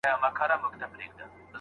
په سلګونو یې لرلې له کوترو